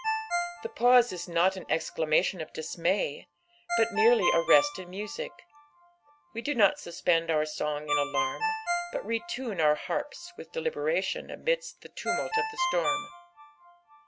The pause ia not an exclama tion of dismay, but merely a rest in music ; we do not suspend our song in alarm, but retune our harps with deliberation amidst the tumult of the storm.